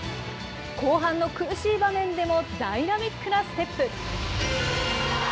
後半の苦しい場面でもダイナミックなステップ。